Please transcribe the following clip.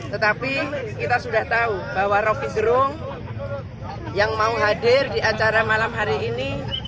tetapi kita sudah tahu bahwa rocky gerung yang mau hadir di acara malam hari ini